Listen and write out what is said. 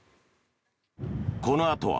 このあとは。